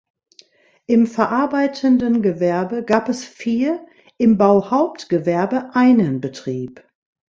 Im verarbeitenden Gewerbe gab es vier, im Bauhauptgewerbe einen Betrieb.